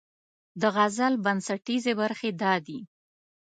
د غزل بنسټیزې برخې دا دي: